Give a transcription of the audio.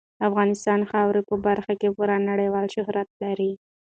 افغانستان د خاورې په برخه کې پوره نړیوال شهرت لري.